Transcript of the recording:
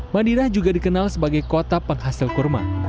madinah juga dikenal sebagai kota penghasil kurma